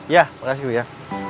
ya makasih buya